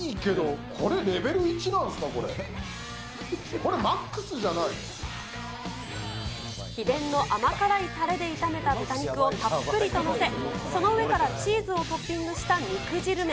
これ、マックスじゃない？秘伝の甘辛いたれで炒めた豚肉をたっぷりと載せ、その上からチーズをトッピングした肉汁麺。